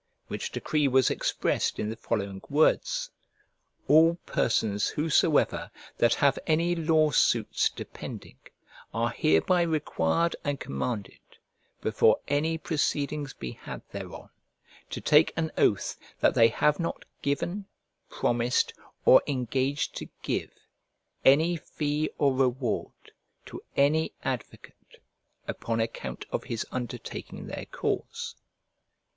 Which decree was expressed in the following words: ALL PERSONS WHOSOEVER THAT HAVE ANY LAW SUITS DEPENDING ARE HEREBY REQUIRED AND COMMANDED, BEFORE ANY PROCEEDINGS BE HAD THEREON, TO TAKE AN OATH THAT THEY HAVE NOT GIVEN, PROMISED, OR ENGAGED TO GIVE, ANY FEE OR REWARD TO ANY ADVOCATE, UPON ACCOUNT OF HIS UNDERTAKING THEIR CAUSE.